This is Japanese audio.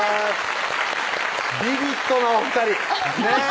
ビビットなお２人ねぇ